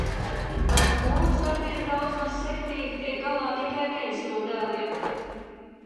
Ar skolas darbiem daudz maz sekmīgi tiek galā tikai viens no dēliem.